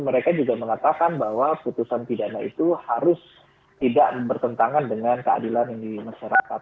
mereka juga mengatakan bahwa putusan pidana itu harus tidak bertentangan dengan keadilan yang di masyarakat